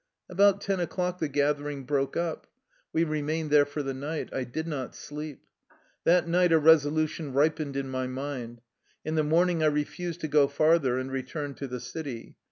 About ten o'clock the gathering broke up. We remained there for the night. I did not sleep. That night a resolution ripened in my mind. In the morning I refused to go farther and returned to the city.